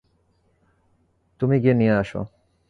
তুমি গিয়ে নিয়ে আসো।